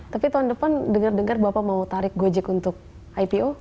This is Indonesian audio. tapi tahun depan dengar dengar bapak mau tarik gojek untuk ipo